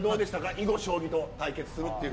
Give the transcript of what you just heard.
囲碁将棋と対決するって。